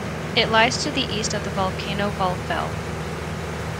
It lies to the east of the volcano "Hvalfell".